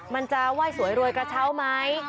มันจะไหว้สวยรวยกระเช้าไหม